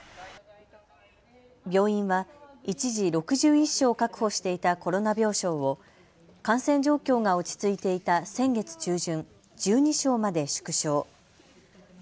病院は一時、６１床確保していたコロナ病床を感染状況が落ち着いていた先月中旬、１２床まで縮小。